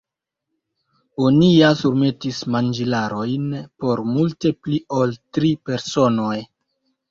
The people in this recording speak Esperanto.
"Oni ja surmetis manĝilarojn por multe pli ol tri personoj."